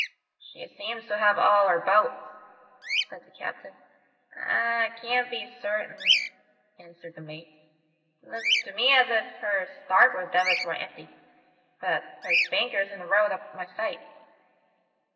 ^' She seems to have all her boats," said the captain. " I can't be certain," answered the mate. '* Looks to me as if her starboard davits were empty; but her spanker's in the road of my sight."